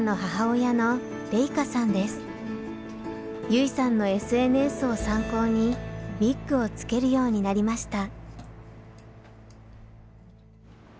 優生さんのＳＮＳを参考にウィッグをつけるようになりました。